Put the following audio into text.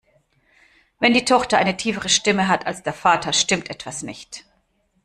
Wenn die Tochter eine tiefere Stimme hat als der Vater, stimmt etwas nicht.